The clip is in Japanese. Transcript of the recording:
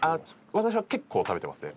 私は結構食べてますね。